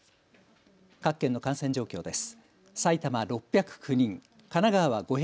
各県の感染状況です。